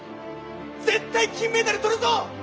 絶対金メダル取るぞ！